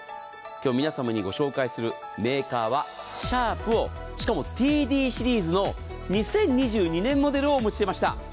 今日、皆さまにご紹介するメーカーはシャープのしかもＴＤシリーズの２０２２年モデルをお持ちしました。